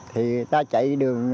thì ta chạy đường dòng